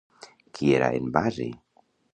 Qui era en Basi?